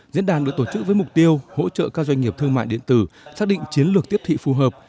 diễn đàn được tổ chức với mục tiêu hỗ trợ các doanh nghiệp thương mại điện tử xác định chiến lược tiếp thị phù hợp